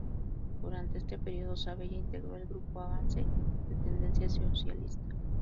Durante este periodo, Sabella integró el grupo Avance, de tendencia socialista.